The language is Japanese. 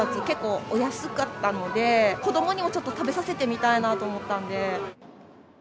結構、お安かったので、子どもにもちょっと食べさせてみたいなと思ったんで。